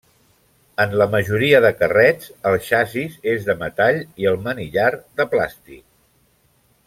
En la majoria de carrets, el xassís és de metall i el manillar de plàstic.